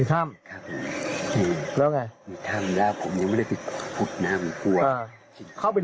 ผมจะไม่ได้ดูขุดน้ำกัน